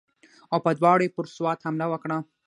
او په دواړو یې پر سوات حمله وکړه.